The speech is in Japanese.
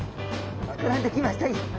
膨らんできました。